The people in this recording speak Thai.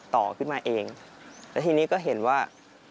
ต่อขึ้นมาเองแล้วทีนี้ก็เห็นว่า